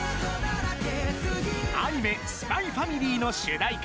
［アニメ『ＳＰＹ×ＦＡＭＩＬＹ』の主題歌］